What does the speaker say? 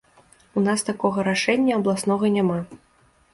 У нас такога рашэння абласнога няма.